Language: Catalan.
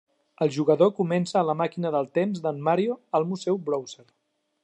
El jugador comença a la màquina del temps d'en Mario al museu Bowser.